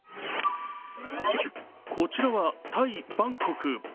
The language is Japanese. こちらはタイ・バンコク。